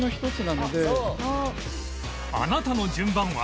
あなたの順番は？